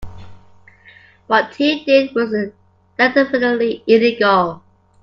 What he did was definitively illegal.